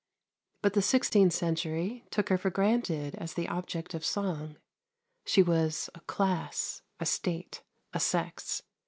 But the sixteenth century took her for granted as the object of song; she was a class, a state, a sex.